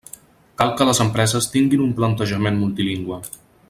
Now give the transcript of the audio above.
Cal que les empreses tinguin un plantejament multilingüe.